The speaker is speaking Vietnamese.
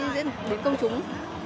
đến công chúng